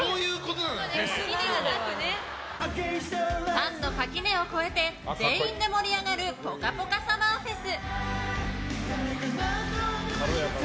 ファンの垣根を越えて全員で盛り上がるぽかぽかＳＵＭＭＥＲＦＥＳ。